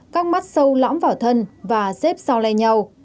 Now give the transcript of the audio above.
các mắt sâu lõm vào thân và xếp sau le nhau